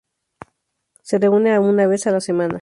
Se reúne una vez a la semana.